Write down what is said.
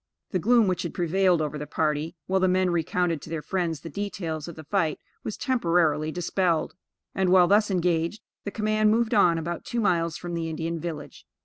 The gloom which had prevailed over the party, while the men recounted to their friends the details of the fight was temporarily dispelled; and, while thus engaged, the command moved on about two miles from the Indian village.